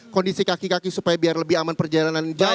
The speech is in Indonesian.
kondisi kaki kaki supaya biar lebih aman perjalanan jauh